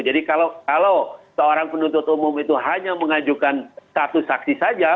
jadi kalau kalau seorang penuntut umum itu hanya mengajukan satu saksi saja